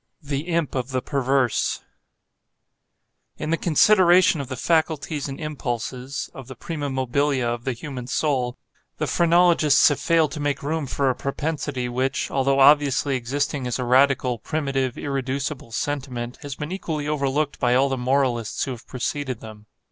_ THE IMP OF THE PERVERSE In the consideration of the faculties and impulses—of the prima mobilia of the human soul, the phrenologists have failed to make room for a propensity which, although obviously existing as a radical, primitive, irreducible sentiment, has been equally overlooked by all the moralists who have preceded them.